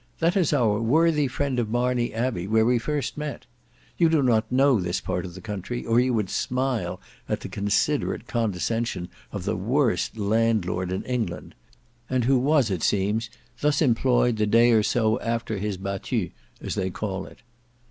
"That is our worthy friend of Marney Abbey, where we first met. You do not know this part of the country, or you would smile at the considerate condescension of the worst landlord in England; and who was, it seems, thus employed the day or so after his battue, as they call it."